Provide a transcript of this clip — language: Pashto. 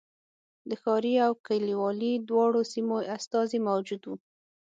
د ښاري او کلیوالي دواړو سیمو استازي موجود و.